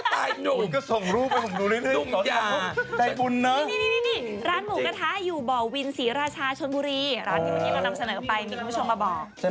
คุณก็ส่งรูปไว้ผมดูเรื่อย